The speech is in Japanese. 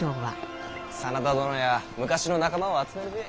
真田殿や昔の仲間を集めるべぇ。